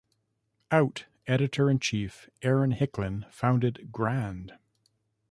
"Out" editor-in-chief Aaron Hicklin founded Grand.